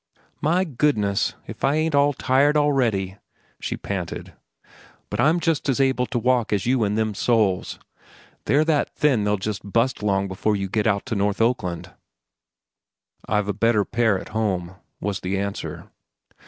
"My goodness!—if I ain't all tired a'ready!" she panted. "But I'm just as able to walk as you in them soles. They're that thin they'll bu'st long before you git out to North Oakland." "I've a better pair at home," was the answer.